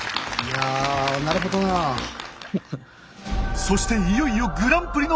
そしていよいよグランプリの発表！